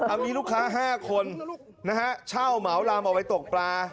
อันนี้ลูกค้า๕คนช่าวเหมารามออกไปตกปลา